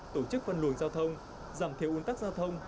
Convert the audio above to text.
tổ chức phân luận giao thông giảm thiếu ưu tắc giao thông